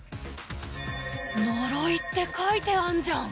「呪」って書いてあんじゃん！